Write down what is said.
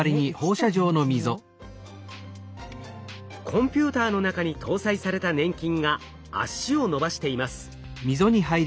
コンピューターの中に搭載された粘菌が「足」を伸ばしています。